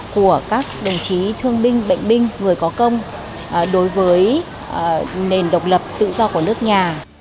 của các đồng chí thương binh bệnh binh người có công đối với nền độc lập tự do của nước nhà